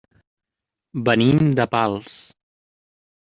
Venim de Pals.